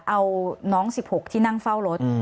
เอาน้อง๑๖ที่นั่งเฝ้ารถ